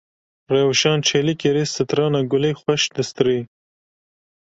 Rewşan Çelîkerê strana Gulê xweş distirê.